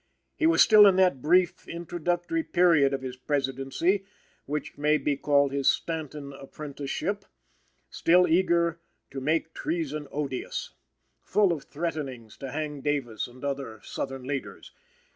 He was still in that brief introductory period of his Presidency which may be called his Stanton Apprenticeship; still eager "to make treason odious;" full of threatenings to hang Davis and other Southern leaders.